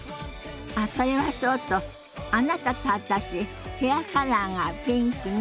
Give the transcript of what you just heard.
あっそれはそうとあなたと私ヘアカラーがピンクね。